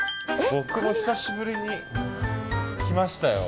僕も久しぶりに来ましたよ。